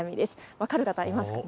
分かる方いますかね。